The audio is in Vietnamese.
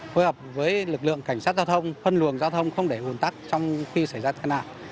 hội hợp với lực lượng cảnh sát giao thông phân luồng giao thông không để hùn tắc trong khi xảy ra tàn nạn